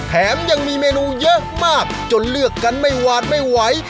แถมยังมีเมนูเยอะมากจนเลือกกันไม่หวาดไม่ไหว